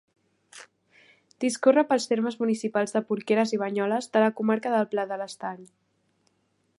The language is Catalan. Discorre pels termes municipals de Porqueres i Banyoles, de la comarca del Pla de l'Estany.